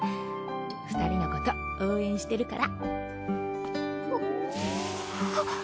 ２人のこと応援してるから！